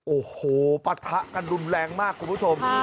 โอ้โหปะทะกันรุนแรงมากคุณผู้ชม